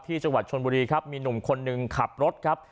จังหวัดชนบุรีครับมีหนุ่มคนหนึ่งขับรถครับ